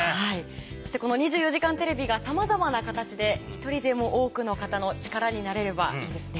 そしてこの『２４時間テレビ』がさまざまな形で１人でも多くの方の力になれればいいですね。